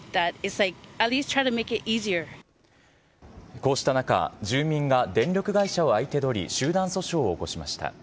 こうした中、住民が電力会社を相手取り、集団訴訟を起こしました。